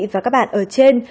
và các bạn ở trên